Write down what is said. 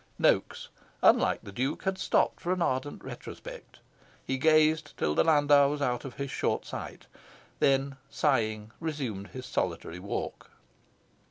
Noaks, unlike the Duke, had stopped for an ardent retrospect. He gazed till the landau was out of his short sight; then, sighing, resumed his solitary walk.